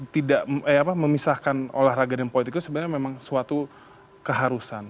saya sudah berbicara bahwa konsep memisahkan olahraga dan politik itu memang suatu keharusan